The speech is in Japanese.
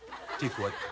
こうやって。